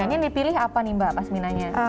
ini dipilih apa nih mbak pasminanya